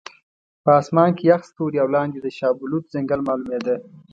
په اسمان کې یخ ستوري او لاندې د شاه بلوط ځنګل معلومېده.